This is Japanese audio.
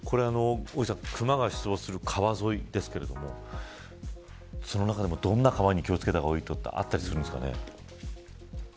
クマが出没する川沿いですがその中でもどんな川に気を付けた方がいいとかあったりしますか。